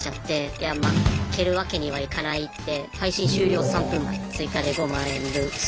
いや負けるわけにはいかないって配信終了３分前追加で５万円分。